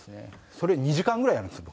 それ２時間ぐらいやるんですよ